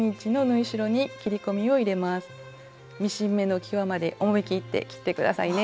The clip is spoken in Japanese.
ミシン目のきわまで思いきって切って下さいね。